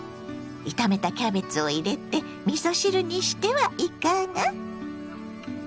炒めたキャベツを入れてみそ汁にしてはいかが？